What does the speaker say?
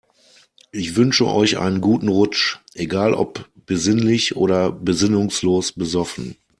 Ich wünsche euch einen guten Rutsch, egal ob besinnlich oder besinnungslos besoffen.